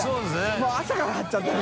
もう朝から貼っちゃったり。